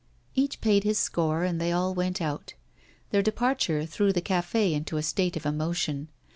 Each paid his score, and they all went out. Their departure threw the café into a state of emotion.